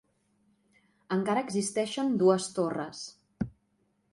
Encara existeixen dues torres.